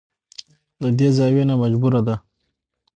له دې زاويې نه مجبوره ده.